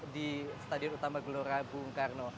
di stadion utama gelora bung karno